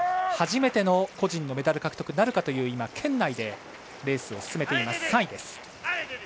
初めての個人のメダル獲得なるかという圏内でレースを進めていて、３位です。